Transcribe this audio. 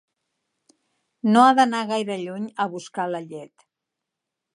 No ha d'anar gaire lluny a buscar la llet.